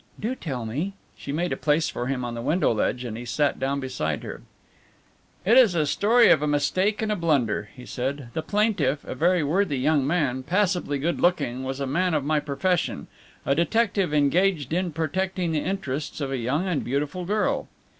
"Do tell me." She made a place for him on the window ledge and he sat down beside her. "It is a story of a mistake and a blunder," he said. "The plaintiff, a very worthy young man, passably good looking, was a man of my profession, a detective engaged in protecting the interests of a young and beautiful girl."